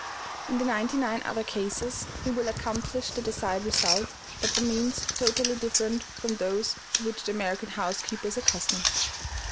In the ninety nine other cases, he will accomplish the desired result, but by means totally different from those to which the American housekeeper is accustomed.